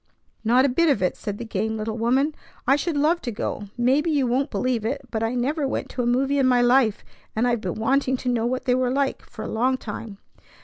"Not a bit of it!" said the game little woman. "I should love to go. Maybe you won't believe it, but I never went to a movie in my life, and I've been wanting to know what they were like for a long time."